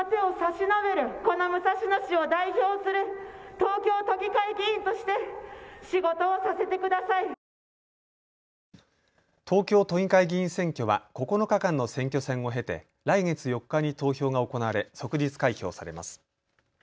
東京都議会議員選挙は９日間の選挙戦を経て、来月４日に投票が行われ即日開票されます。